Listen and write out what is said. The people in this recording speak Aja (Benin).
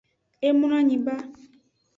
E mloanyi ba.